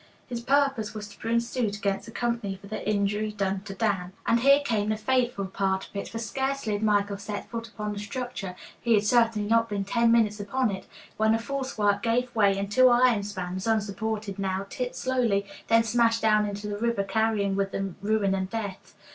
His purpose was to bring suit against the company for the injury done to Dan. "And here came the fateful part of it, for scarcely had Michael set foot upon the structure he had certainly not been ten minutes upon it when the false work gave way and two iron spans, unsupported now, tipped slowly, then smashed down into the river, carrying with them ruin and death.